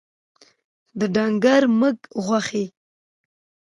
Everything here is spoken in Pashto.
د ډنګر مږ غوښي